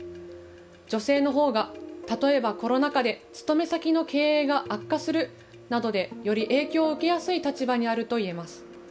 女性のほうが例えばコロナ禍で勤め先の経営が悪化するなどでより影響を受けやすい立場にあるといえます。